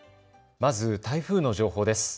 まず台風の情報です。